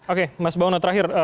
oke mas bauno terakhir